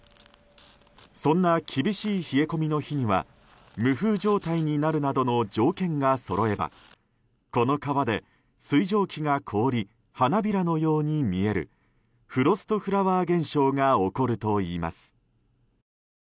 そんな厳しい冷え込みの日には無風状態になるなどの条件がそろえばこの川で水蒸気が凍り花びらのように見えるフロストフラワー現象が起こるといいます。